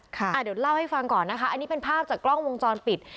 เดี๋ยวเล่าให้ฟังก่อนนะคะอันนี้เป็นภาพจากกล้องวงจรปิด